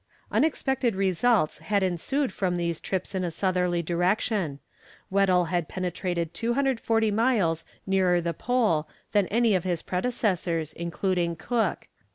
Unexpected results had ensued from these trips in a southerly direction. Weddell had penetrated 240 miles nearer the Pole than any of his predecessors, including Cook.